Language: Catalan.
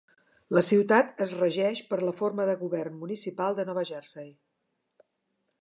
La ciutat es regeix per la forma de govern municipal de Nova Jersey.